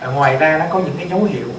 ngoài ra nó có những cái dấu hiệu